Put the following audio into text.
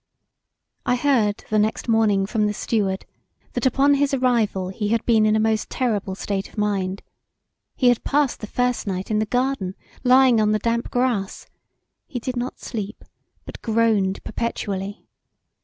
I heard the next morning from the steward that upon his arrival he had been in a most terrible state of mind: he had passed the first night in the garden lying on the damp grass; he did not sleep but groaned perpetually.